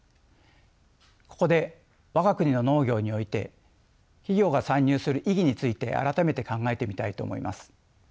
ここで我が国の農業において企業が参入する意義について改めて考えてみたいと思います。